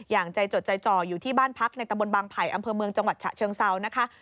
อย่างใจจดใจจ่ออยู่ที่บ้านพักในตะบนบางไผ่อำเภอเมืองจังหวัดฉะเชิงเซานะคะ